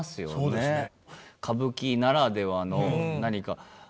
そうですね。